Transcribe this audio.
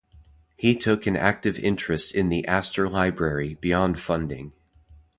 He took an active interest in the Astor Library beyond funding.